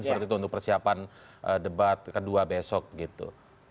seperti itu untuk persiapan debat kedua besok gitu